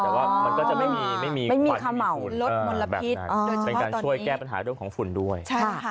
อ๋อแต่ว่ามันก็จะไม่มีไม่มีไม่มีคำเหมาลดมลพิษโดยเฉพาะตอนนี้เป็นการช่วยแก้ปัญหาเรื่องของฝุ่นด้วยใช่ค่ะ